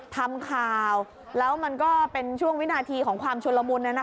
ทำข่าวแล้วมันก็เป็นช่วงวินาทีของความชุนละมุน